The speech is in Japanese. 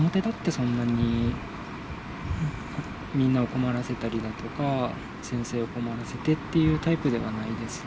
そんなにみんなを困らせたりだとか、先生を困らせてっていうタイプではないです。